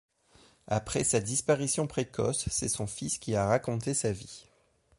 Après sa disparition précoce c'est son fils qui a raconté sa vie.